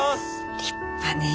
立派ねえ。